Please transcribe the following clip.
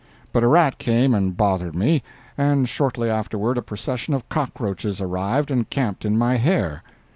But a rat came and bothered me, and shortly afterward a procession of cockroaches arrived and camped in my hair.